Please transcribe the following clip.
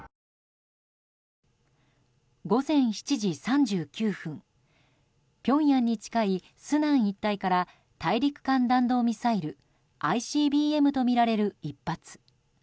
午前７時３９分ピョンヤンに近いスナン一帯から大陸間弾道ミサイル・ＩＣＢＭとみられる１発。